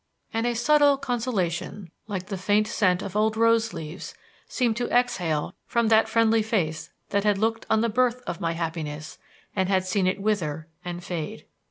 And a subtle consolation, like the faint scent of old rose leaves, seemed to exhale from that friendly face that had looked on the birth of my happiness and had seen it wither and fade.